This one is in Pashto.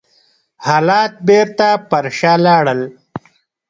حالات بېرته پر شا لاړل.